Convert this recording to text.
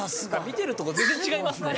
見てるとこ全然違いますね。